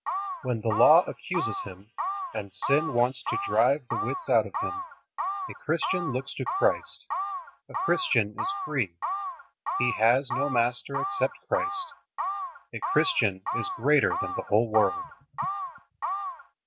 When the Law accuses him, and sin wants to drive the wits out of him, a Christian looks to Christ. A Christian is free. He has no master except Christ. A Christian is greater than the whole world.